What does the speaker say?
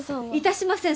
致しません